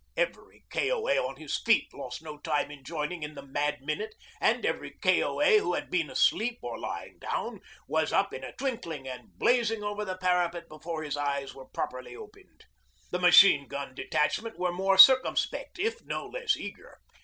Every K.O.A. on his feet lost no time in joining in the 'mad minute' and every K.O.A. who had been asleep or lying down was up in a twinkling and blazing over the parapet before his eyes were properly opened. The machine gun detachment were more circumspect if no less eager.